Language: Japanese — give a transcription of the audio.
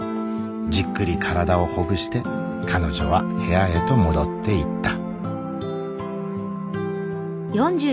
じっくり体をほぐして彼女は部屋へと戻っていった。